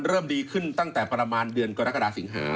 เริ่มดีขึ้นตั้งแต่ประมาณเดือนกรกฎาสิงหา